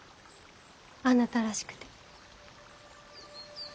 あなたらしくて。